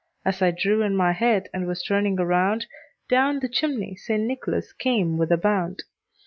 As I drew in my head, and was turning around, Down the chimney St. Nicholas came with a bound.